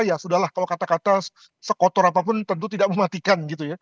ya sudah lah kalau kata kata sekotor apapun tentu tidak mematikan gitu ya